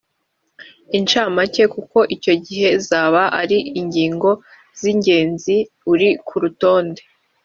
inshamake kuko icyo gihe zaba ari ingingo z ingenzi uri kurondora